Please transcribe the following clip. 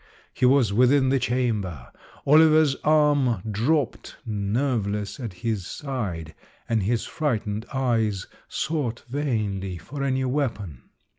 He was within the chamber. Oliver's arm dropped nerveless at his side, and his frightened eyes sought vainly for any weapon.